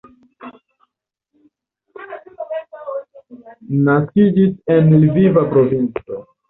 Naskiĝis en Lviva provinco.